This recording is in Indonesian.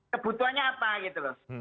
kebutuhannya apa gitu loh